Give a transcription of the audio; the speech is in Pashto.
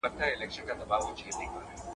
هر لحد يې افتخاردی .